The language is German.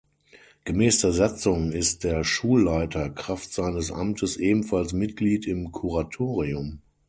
Gemäß der Satzung ist der Schulleiter Kraft seines Amtes ebenfalls Mitglied im Kuratorium.